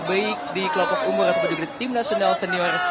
baik di kelompok umur atau juga timnas senior